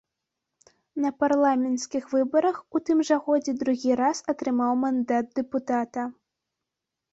На парламенцкіх выбарах у тым жа годзе другі раз атрымаў мандат дэпутата.